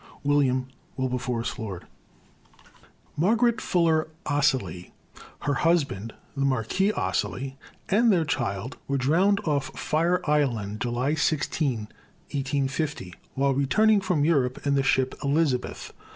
WILLIAM WILBERFORCE LORD. Margaret Fuller Ossoli, her husband, the Marquis Ossoli, and their child, were drowned off Fire Island, July 16, 1850, while returning from Europe in the ship Elizabeth.